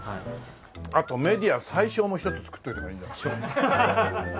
あとメディア最小も一つ作っておいた方がいいんじゃない？